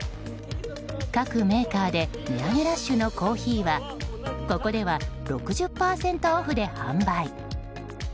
各メーカーで値上げラッシュのコーヒーはここでは６０％オフで販売。